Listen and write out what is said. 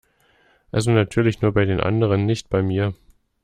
Also natürlich nur bei den anderen, nicht bei mir!